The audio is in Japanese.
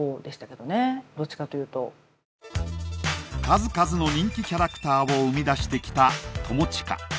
数々の人気キャラクターを生み出してきた友近。